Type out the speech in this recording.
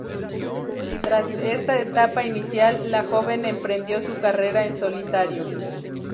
Tras esta etapa inicial, la joven emprendió su carrera en solitario.